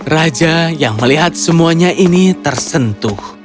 raja yang melihat semuanya ini tersentuh